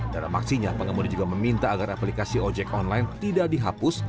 dalam aksinya pengemudi juga meminta agar aplikasi ojek online tidak dihapus